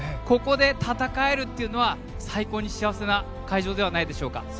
ここで戦えるっていうのは最高に幸せな会場ではないでしょうか。